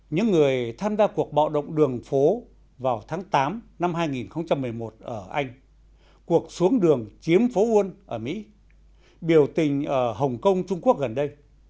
những người tham gia cuộc bạo động đường phố vào tháng tám năm hai nghìn một mươi một ở anh cuộc xuống đường chiếm phố uôn ở mỹ biểu tình ở hồng kông trung quốc gần đây